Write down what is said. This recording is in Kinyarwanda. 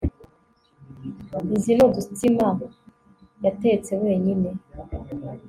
Izi ni udutsima yatetse wenyine